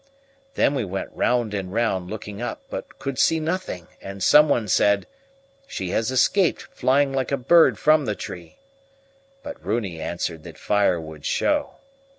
Then we went round and round looking up, but could see nothing; and someone said: 'She has escaped, flying like a bird from the tree'; but Runi answered that fire would show.